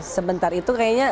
sebentar itu kayaknya